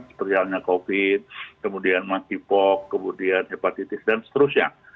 seperti covid kemudian makipok kemudian hepatitis dan seterusnya